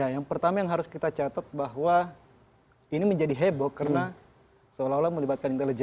yang pertama yang harus kita catat bahwa ini menjadi heboh karena seolah olah melibatkan intelijen